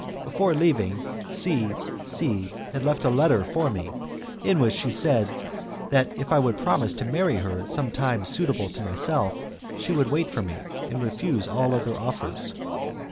Before leaving C C had left a letter for me, in which she said that if I would promise to marry her at some time suitable to myself, she would wait for me, and refuse all other offers.